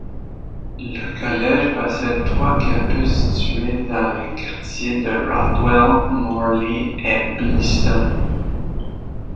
Le collège possède trois campus situés dans les quartiers de Rothwell, Morley et Beeston.